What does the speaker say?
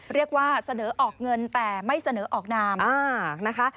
เรียกว่าเสนอออกเงินแต่ไม่เสนอออกนามนะคะ